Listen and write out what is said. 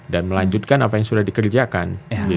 dan melanjutkan apa yang sudah dikerjakan